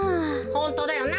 ホントだよな。